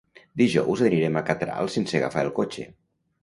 Dijous anirem a Catral sense agafar el cotxe.